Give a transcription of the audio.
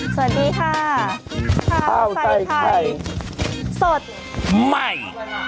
สวัสดีค่ะข้าวใส่ไข่สดใหม่